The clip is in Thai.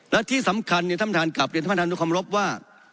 และที่สำคัญเนี่ยท่านพระอาหารกลับเนี่ยท่านพระอาหารดูความรบว่า